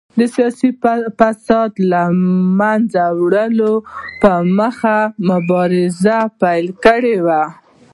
د سیاسي فساد له منځه وړلو په موخه مبارزه پیل کړې وه.